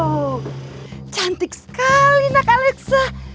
wow cantik sekali nak alexa